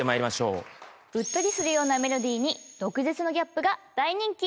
うっとりするメロディーに毒舌のギャップが大人気。